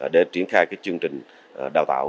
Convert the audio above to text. để triển khai cái chương trình đào tạo